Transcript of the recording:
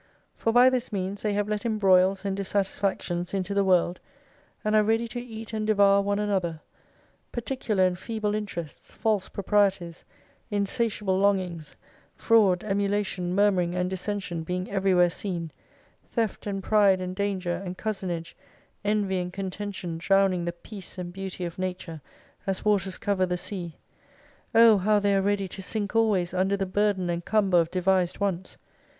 For, by this means, they have let in broils and dissatisfactions into the world, and are ready to eat and devour one another : particular and feeble interests, false proprieties, insatiable longings, fraud, emulation, murmuring and dissension being everywhere seen ; theft and pride and danger, and cousenage, envy and contention drowning the peace and beauty of nature, as waters cover the sea. Oh how they are ready to sink always under the burden and cumber of devised wants